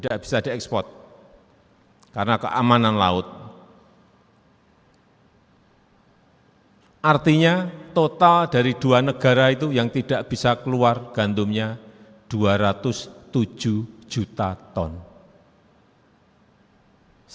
bukan visi misi yang terlalu bagus di awang awang tapi visi taktis